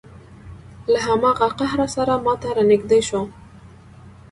له هماغه قهره سره ما ته را نږدې شو.